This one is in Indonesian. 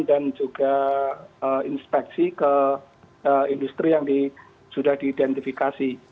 dan juga inspeksi ke industri yang sudah diidentifikasi